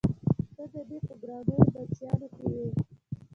ته د دې په ګرانو بچیانو کې وې؟